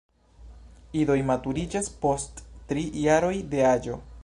Idoj maturiĝas post tri jaroj de aĝo.